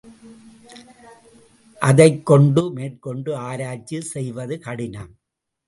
அதைக் கொண்டு மேற்கொண்டு ஆராய்ச்சி செய்வது கடினம்.